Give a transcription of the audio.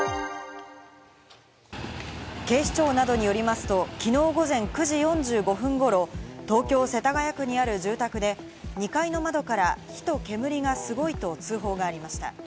警視庁などによりますと、きのう午前９時４５分頃、東京・世田谷区にある住宅で２階の窓から火と煙がすごいと通報がありました。